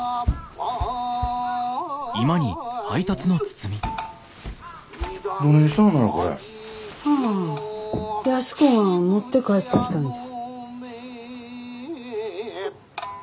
ああ安子が持って帰ってきたんじゃ。